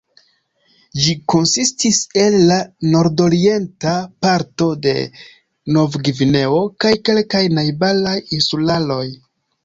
Ĝi konsistis el la nordorienta parto de Novgvineo kaj kelkaj najbaraj insularoj.